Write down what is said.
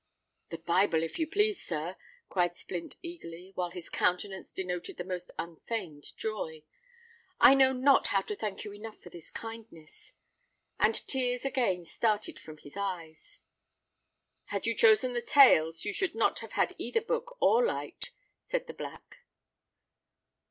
"The Bible, if you please, sir," cried Splint, eagerly, while his countenance denoted the most unfeigned joy. "I know not how to thank you enough for this kindness!"—and tears again started from his eyes. "Had you chosen the Tales, you should not have had either book or light," said the Black.